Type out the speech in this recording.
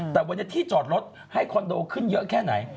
แต่วันนี้ที่จอดรถให้คอนโดขึ้นเยอะแค่ไหน